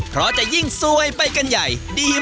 เพราะจะยิ่งซวยไปกันใหญ่ดี